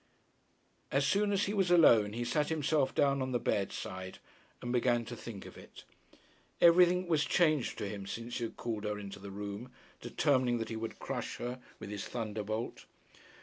As soon as he was alone he sat himself down on the bedside, and began to think of it. Everything was changed to him since he had called her into the room, determining that he would crush her with his thunderbolt.